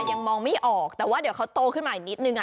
ยังมองไม่ออกแต่ว่าเดี๋ยวเขาโตขึ้นมาอีกนิดนึงอ่ะ